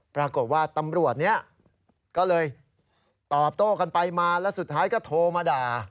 ปรากฏว่าตำรวจเนี่ยก็เลยตอบโต้กันไปมาแล้วสุดท้ายก็โทรมาด่า